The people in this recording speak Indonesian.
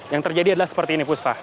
yang terjadi adalah seperti ini puspa